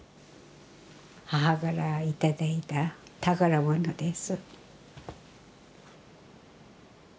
母から頂いた宝物です。